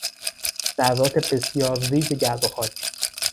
ذرات بسیار ریز گرد و خاک